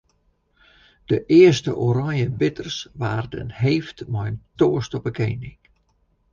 De earste oranjebitters waarden heefd mei in toast op 'e kening.